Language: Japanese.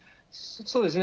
そうですね。